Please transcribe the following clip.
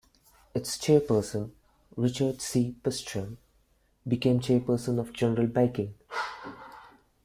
Its chairperson, Richard C. Pistell, became chairperson of General Baking.